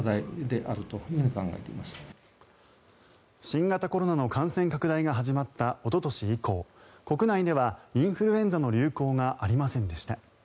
新型コロナの感染拡大が始まったおととし以降国内ではインフルエンザの流行がありませんでした。